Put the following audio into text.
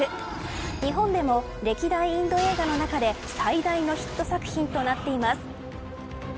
日本でも歴代インド映画の中で最大のヒット作品となっています。